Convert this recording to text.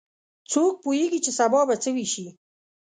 څوک پوهیږي چې سبا به څه وشي